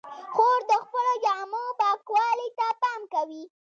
خور د خپلو جامو پاکوالي ته پام کوي.